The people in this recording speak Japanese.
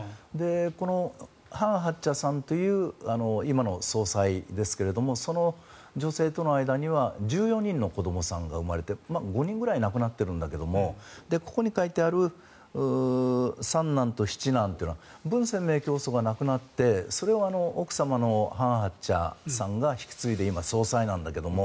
このハン・ハクチャさんという今の総裁ですがその女性との間には１４人の子どもさんが生まれて５人ぐらい亡くなっているんだけどここに書いてある三男と七男というのはブン・センメイ教祖が亡くなってそれを奥様のハン・ハクチャさんが引き継いで、今総裁なんだけど。